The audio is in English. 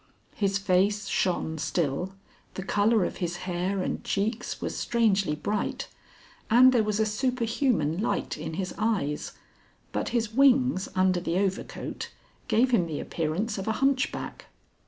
His face shone still, the colour of his hair and cheeks was strangely bright, and there was a superhuman light in his eyes, but his wings under the overcoat gave him the appearance of a hunchback.